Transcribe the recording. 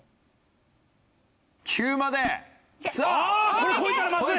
これ超えたらまずい！